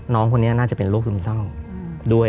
น้องคนนี้น่าจะเป็นโรคซึมเศร้าด้วย